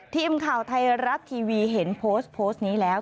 ทีมข่าวไทยรัฐทีวีเห็นโพสต์โพสต์นี้แล้ว